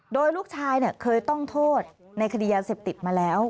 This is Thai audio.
โดยลูกชายเคยต้องโทษในคดียาเสพติดมาแล้ว